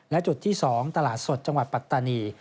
และจุดที่๒ตลาดสดจังหวัดปัตตานี